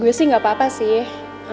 gue sih gak apa apa sih